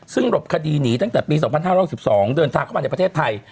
ซึ่งหลบคดีหนีตั้งแต่ปี๒๕๖๒เดินทางเข้ามาในประเทศไทย